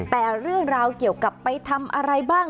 แต่เรื่องราวเกี่ยวกับไปทำอะไรบ้าง